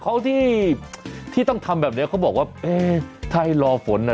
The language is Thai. เขาที่ต้องทำแบบนี้เขาบอกว่าถ้าไอ้รอฝน